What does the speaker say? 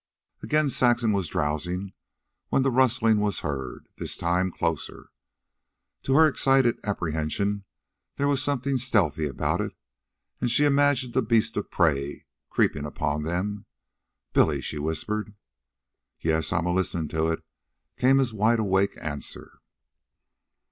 Again Saxon was drowsing, when the rustling sound was heard, this time closer. To her excited apprehension there was something stealthy about it, and she imagined a beast of prey creeping upon them. "Billy," she whispered. "Yes, I'm a listenin' to it," came his wide awake answer.